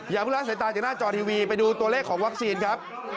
ผู้ละสายตาจากหน้าจอทีวีไปดูตัวเลขของวัคซีนครับ